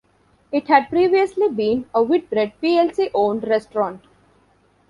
It had previously been a Whitbread plc owned restaurant.